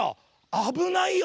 「あぶないよ」。